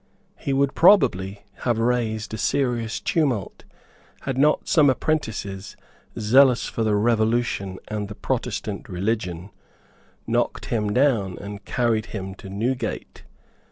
He would probably have raised a serious tumult, had not some apprentices, zealous for the Revolution and the Protestant religion, knocked him down and carried him to Newgate.